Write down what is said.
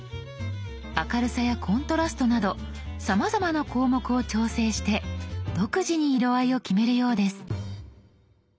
明るさやコントラストなどさまざまな項目を調整して独自に色合いを決めるようです。